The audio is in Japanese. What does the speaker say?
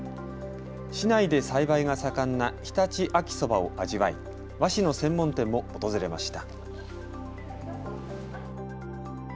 市内で栽培が盛んな常陸秋そばを味わい和紙の専門店も訪れました。